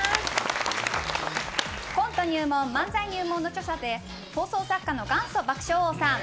コント入門、漫才入門の著者で放送作家の元祖爆笑王さん。